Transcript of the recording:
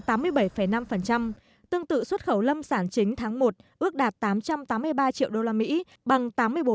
tương tự xuất khẩu lâm sản chính tháng một ước đạt tám trăm tám mươi ba triệu đô la mỹ bằng tám mươi bốn bốn